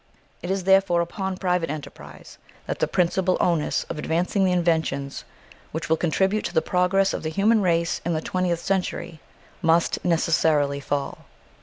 It is therefore upon private enterprise that the principal onus of advancing the inventions which will contribute to the progress of the human race in the twentieth century must necessarily fall.